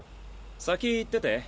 先行ってて。